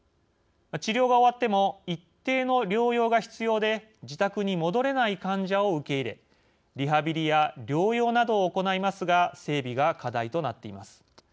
治療が終わっても一定の療養が必要で自宅に戻れない患者を受け入れリハビリや療養などを行いますが整備が課題となっています。